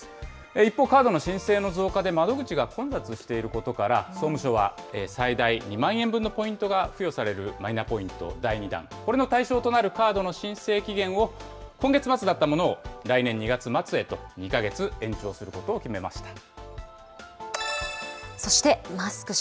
一方、カードの申請の増加で窓口が混雑していることから、総務省は、最大２万円分のポイントが付与されるマイナポイント第２弾、これの対象となるカードの申請期限を、今月末だったものを来年２月末へと、２か月延長することを決めまそして、マスク氏。